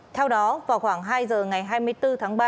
theo đó vào khoảng hai giờ ngày hai mươi bốn tháng ba